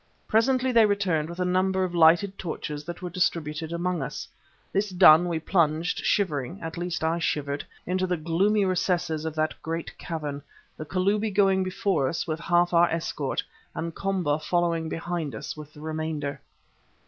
Presently they returned with a number of lighted torches that were distributed among us. This done, we plunged, shivering (at least, I shivered), into the gloomy recesses of that great cavern, the Kalubi going before us with half of our escort, and Komba following behind us with the remainder.